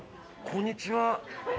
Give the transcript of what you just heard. こんにちは。